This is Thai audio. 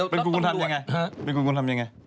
เป็นคุณคุณทำยังไง